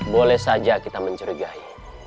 boleh saja kita mencurigai